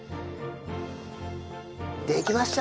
できました！